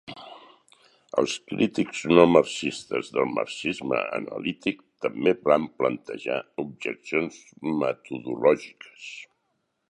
Els crítics no marxistes del marxisme analític també van plantejar objeccions metodològiques.